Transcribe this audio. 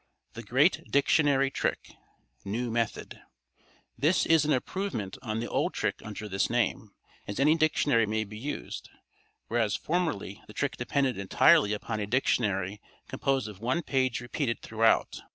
The Great Dictionary Trick (new method.)—This is an improvement on the old trick under this name, as any dictionary may be used, whereas formerly the trick depended entirely upon a dictionary composed of one page repeated throughout.